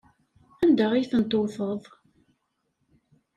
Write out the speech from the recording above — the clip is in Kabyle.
Anda ay tent-tewteḍ?